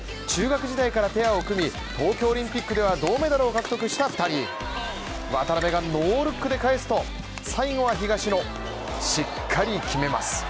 中学時代からペアを組み、東京オリンピックでは銅メダルを獲得した２人渡辺がノールックで返すと最後は東野、しっかり決めます。